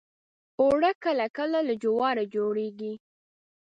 اوړه کله کله له جوارو جوړیږي